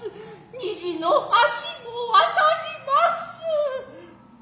虹の橋も渡ります。